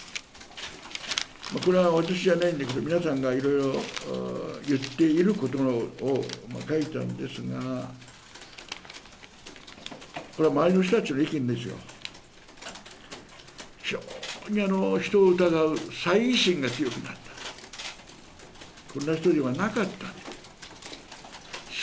これは私じゃないんだけど、皆さんがいろいろ言っていることを書いたんですが、これは周りの人たちの意見ですよ、非常に人を疑う、猜疑心が強くなった、こんな人ではなかったわけです。